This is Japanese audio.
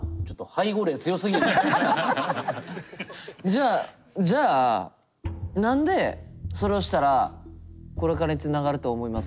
じゃあじゃあ何でそれをしたらこれからにつながると思いますか？